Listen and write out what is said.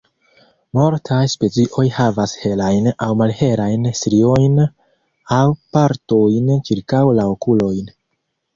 Multaj specioj havas helajn aŭ malhelajn striojn aŭ partojn ĉirkaŭ la okulojn.